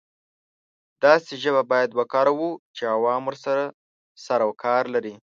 داسې ژبه باید وکاروو چې عوام ورسره سر او کار لري.